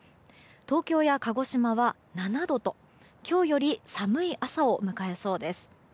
東京や鹿児島は７度と今日より寒い朝を迎えそうです。